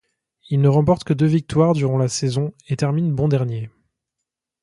Il ne remporte que deux victoires durant la saison et termine bon dernier.